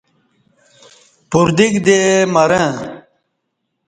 پردیک دےمَرں